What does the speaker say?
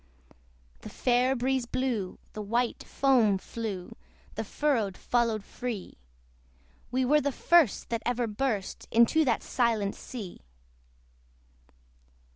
The fair breeze blew, the white foam flew, The furrow followed free: We were the first that ever burst Into that silent sea.